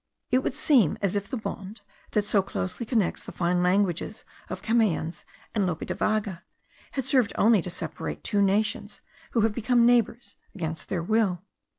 It would seem as if the bond that so closely connects the fine languages of Camoens and Lope de Vega, had served only to separate two nations, who have become neighbours against their will.